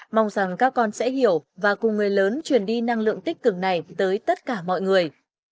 mong rằng các con sẽ hiểu và cùng người lớn truyền đi năng lượng tích cực này tới tất cả mọi người